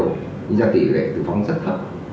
nhưng ra tỷ lệ tử vong rất thấp